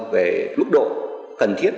về lúc độ cần thiết